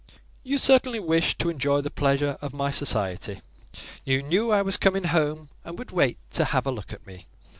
"You certainly wished to enjoy the pleasure of my society. You knew I was coming home, and would wait to have a look at me."